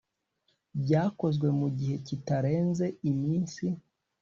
byakozwe mu gihe kitarenze iminsi